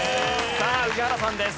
さあ宇治原さんです。